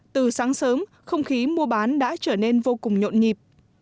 từ sáng sớm không khí mua bán đã trở nên vô cùng nhộn nhịp